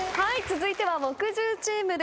続いては木１０チームです。